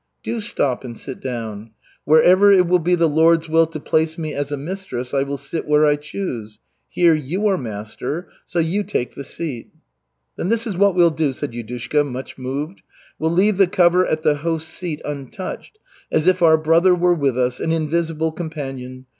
"Do stop and sit down. Wherever it will be the Lord's will to place me as a mistress, I will sit where I choose. Here you are master so you take the seat." "Then this is what we'll do," said Yudushka, much moved. "We'll leave the cover at the host's seat untouched, as if our brother were with us, an invisible companion.